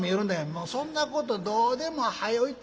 もうそんなことどうでも早よ行ってこい。